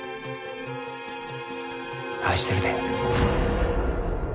愛してるで。